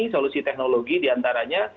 solusi teknologi diantaranya